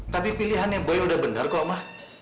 tapi pilihannya boy udah bener kok ma